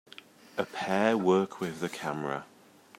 A pair work with the camera.